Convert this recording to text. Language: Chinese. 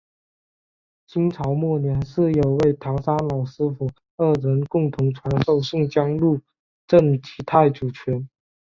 清朝末年是有位唐山老师父二人共同传授宋江鹿阵及太祖拳。